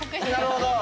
なるほど！